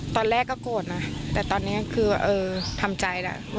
ตอนแรกก็โกรธนะแต่ตอนนี้คือทำใจแล้ว